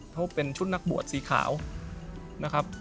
เขาเป็นชุดนักบวชสีขาวนะครับ